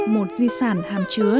một di sản hàng chứa